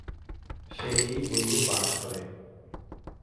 সে এই বইয়ে বাস করে।